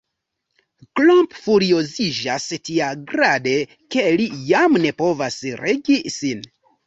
Klomp furioziĝas tiagrade, ke li jam ne povas regi sin.